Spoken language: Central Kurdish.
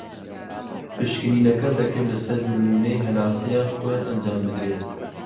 پشکنینەکە دەکرێت لە سەر نمونەی هەناسە یان خوێن ئەنجام بدرێت.